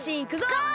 ゴー！